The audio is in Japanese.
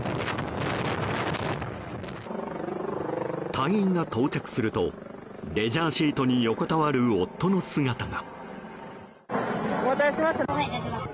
隊員が到着するとレジャーシートに横たわる夫の姿が。